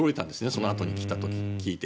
そのあとに来たと聞いて。